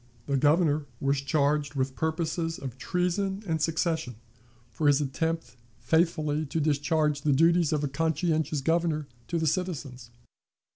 The Governor was charged with purposes of treason and secession, for his attempt faithfully to discharge the duties of a conscientious Governor to the citizens.